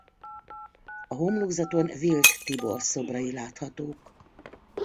A homlokzaton Vilt Tibor szobrai láthatók.